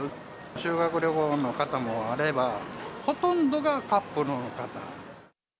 修学旅行の方もあれば、ほとんどがカップルの方。